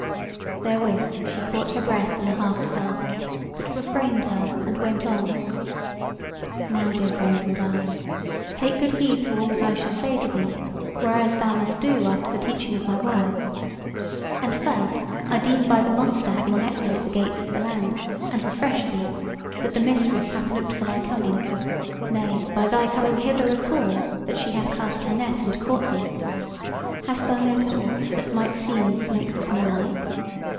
Therewith she caught her breath in a half sob, but refrained her and went on: "Now dear friend and darling, take good heed to all that I shall say to thee, whereas thou must do after the teaching of my words. And first, I deem by the monster having met thee at the gates of the land, and refreshed thee, that the Mistress hath looked for thy coming; nay, by thy coming hither at all, that she hath cast her net and caught thee. Hast thou noted aught that might seem to make this more like?"